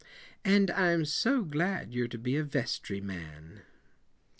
"And I'm so glad you're to be a vestry man."